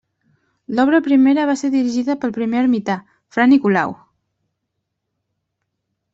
L'obra primera va ser dirigida pel primer ermità, fra Nicolau.